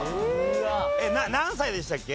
何歳でしたっけ？